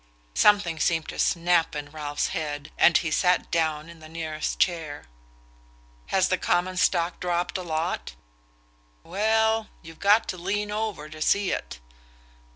Something seemed to snap in Ralph's head, and he sat down in the nearest chair. "Has the common stock dropped a lot?" "Well, you've got to lean over to see it."